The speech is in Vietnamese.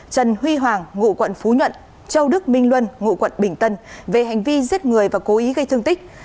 trần huy hoàng ngụ quận phú nhuận châu đức minh luân ngụ quận bình tân về hành vi giết người và cố ý gây thương tích